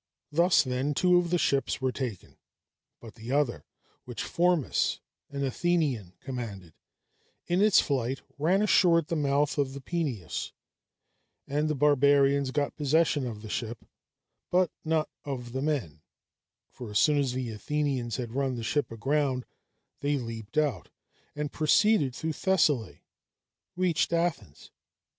Thus, then, two of the ships were taken; but the other, which Phormus, an Athenian, commanded, in its flight ran ashore at the mouth of the Peneus, and the barbarians got possession of the ship, but not of the men; for as soon as the Athenians had run the ship aground, they leaped out, and, proceeding through Thessaly, reached Athens.